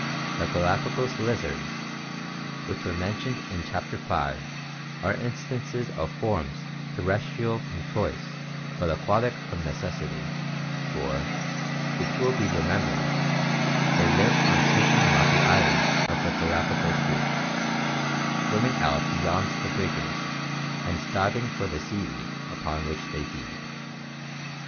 The Gala pagos lizards (Fig. 60) which were mentioned in Chapter V are instances of forms terrestrial from choice but aquatic from necessity, for, it will be remembered, they live on certain rocky islands of the Galapagos group, swimming out beyond the breakers and diving for the seaweed upon which they feed.